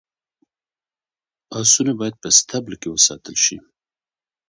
اسونه باید په اصطبل کي وساتل شي.